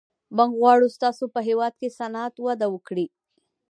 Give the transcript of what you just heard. موږ غواړو ستاسو په هېواد کې صنعت وده وکړي